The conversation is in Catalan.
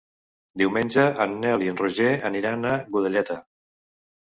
Diumenge en Nel i en Roger aniran a Godelleta.